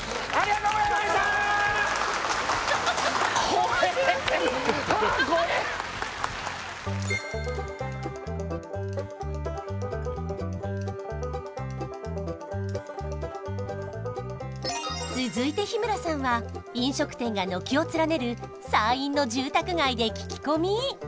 怖えああ怖え続いて日村さんは飲食店が軒を連ねる西院の住宅街で聞き込み！